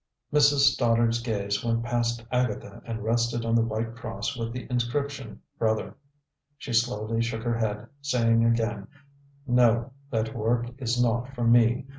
Mrs. Stoddard's gaze went past Agatha and rested on the white cross with the inscription, "Brother." She slowly shook her head, saying again, "No, that work is not for me.